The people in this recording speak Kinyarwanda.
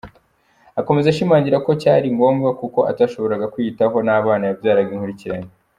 Akomeza ashimangira ko cyari ngombwa kuko atashoboraga kwiyitaho n’abana yabyaraga inkurikirane.